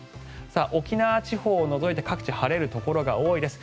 沖縄地方を除いて各地、晴れるところが多いです。